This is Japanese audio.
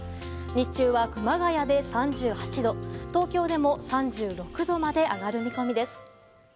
日中は熊谷で３８度、東京でも３６度まで上がる見込みです。